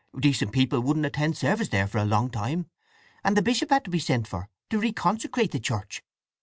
Decent people wouldn't attend service there for a long time, and the Bishop had to be sent for to reconsecrate the church.